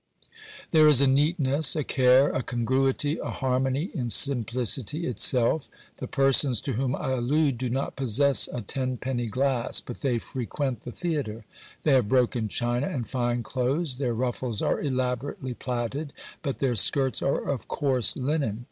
There is a neatness, a care, a congruity, a harmony in simplicity itself. The persons to whom I allude do not possess a tenpenny glass, but they frequent the theatre ; they have broken china, and fine clothes ; their ruffles are elaborately plaited, but their shirts are of coarse linen.